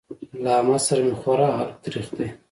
له احمد سره مې خورا حلق تريخ دی.